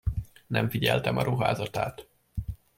Nem figyeltem a ruházatát.